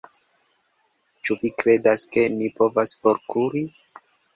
Ĉu vi kredas, ke ni povas forkuri?